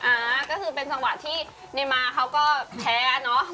อ่าก็คือเป็นจังหวะที่เนมาเขาก็แพ้เนอะ